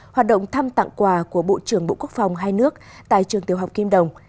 hoạt động thăm tặng quà của bộ trưởng bộ quốc phòng hai nước tại trường tiểu học kim đồng